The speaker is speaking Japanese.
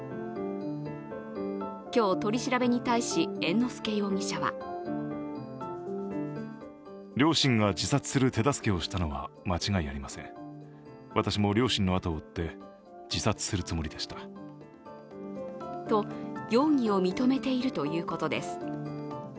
今日、取り調べに対し猿之助容疑者はと容疑を認めているということです。